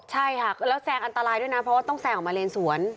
ใช่ค่ะแล้วแซงอันตรายด้วยนะเพราะว่าต้องแซงออกมาเลนสวน